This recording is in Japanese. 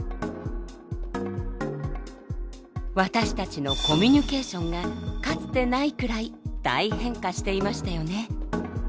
私たちのコミュニケーションがかつてないくらい大変化していましたよね。